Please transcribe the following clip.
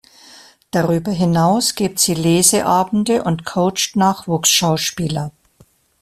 Darüber hinaus gibt sie Leseabende und coacht Nachwuchsschauspieler.